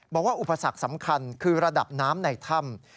อุปสรรคสำคัญคือระดับน้ำในถ้ำ